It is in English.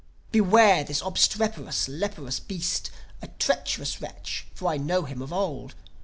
"Beware this obstreperous, leprous beast A treacherous wretch, for I know him of old.